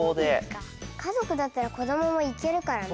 かぞくだったらこどももいけるからね。